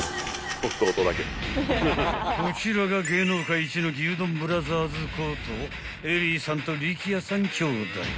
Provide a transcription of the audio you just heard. ［こちらが芸能界一の牛丼ブラザーズことＥＬＬＹさんとＬＩＫＩＹＡさん兄弟］